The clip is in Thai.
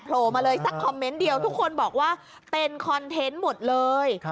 มาเลยสักคอมเมนต์เดียวทุกคนบอกว่าเป็นคอนเทนต์หมดเลย